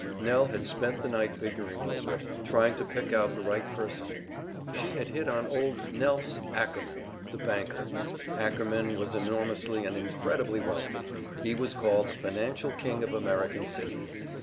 Nell had spent the night figuring over it, trying to pick out the right person. She had hit on old "Nelse" Ackerman, the banker. Ackerman was enormously and incredibly wealthy; he was called the financial king of American City.